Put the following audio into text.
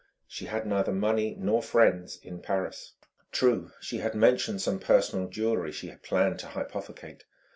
She had neither money nor friends in Paris. True: she had mentioned some personal jewellery she planned to hypothecate.